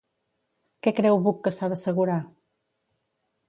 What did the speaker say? Què creu Buch que s'ha d'assegurar?